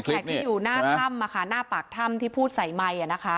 อาจารย์แขกที่อยู่หน้าถ้ำนะคะหน้าปากถ้ำที่พูดใส่ไมค์นะคะ